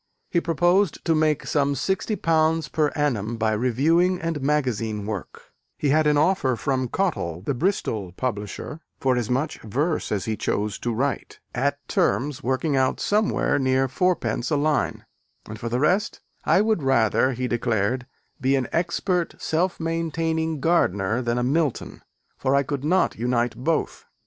He proposed to make some £60 per annum by reviewing and magazine work: he had an offer from Cottle, the Bristol publisher, for as much verse as he chose to write, at terms working out somewhere near fourpence a line, and for the rest, "I would rather," he declared, "be an expert self maintaining gardener than a Milton, for I could not unite both.